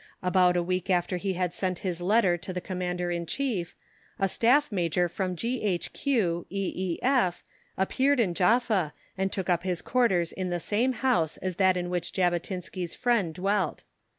About a week after he had sent his letter to the Commander in Chief, a Staff Major from G.H.Q., E.E.F., appeared in Jaffa and took up his quarters in the same house as that in which Jabotinsky's friend dwelt.